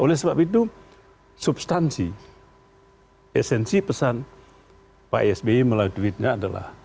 oleh sebab itu substansi esensi pesan pak sby melalui duitnya adalah